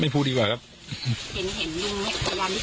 ไม่พูดดีกว่าครับเห็นงานพิกัดไม่เข้าไปใกล้